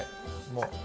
もう。